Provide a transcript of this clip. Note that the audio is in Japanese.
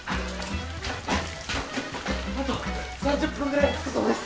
あと３０分ぐらいで着くそうです。